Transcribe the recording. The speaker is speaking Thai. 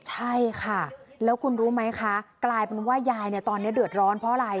ใช่ค่ะแล้วคุณรู้ไหมคะกลายเป็นว่ายายเนี่ยตอนนี้เดือดร้อนเพราะอะไร